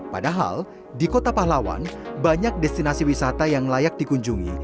padahal di kota pahlawan banyak destinasi wisata yang layak dikunjungi